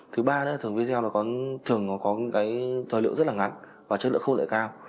thứ ba là thường video nó thường có cái thời liệu rất là ngắn và chất lượng không lại cao